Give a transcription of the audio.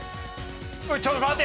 ちょっと待て！